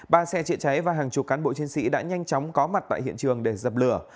ba xe trị cháy và hàng chục cán bộ chiến sĩ đã nhanh chóng có mặt tại hiện trường để dập lửa